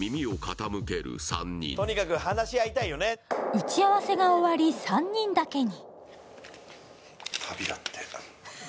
打ち合わせが終わり、３人だけに。